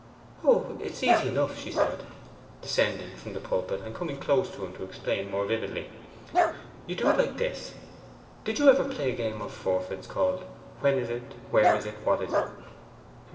'Oh, it's easy enough,' she said, descending from the pulpit and coming close to him to explain more vividly. 'You do it like this. Did you ever play a game of forfeits called "When is it? where is it? what is it?"